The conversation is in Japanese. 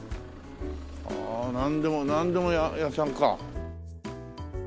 ああなんでもなんでも屋さんか。